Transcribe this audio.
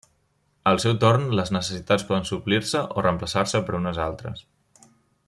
Al seu torn, les necessitats poden suplir-se o reemplaçar-se per unes altres.